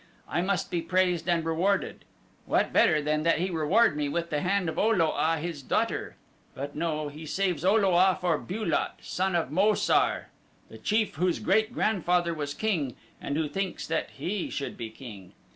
I must be praised and rewarded. What better than that he reward me with the hand of O lo a, his daughter? But no, he saves O lo a for Bu lot, son of Mo sar, the chief whose great grandfather was king and who thinks that he should be king.